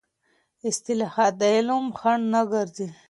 اصطلاحات د علم خنډ نه ګرځي.